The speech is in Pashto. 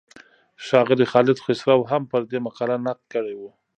ښاغلي خالد خسرو هم پر دې مقاله نقد کړی و.